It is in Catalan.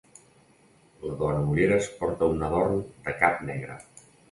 La dona amb ulleres porta un adorn de cap negre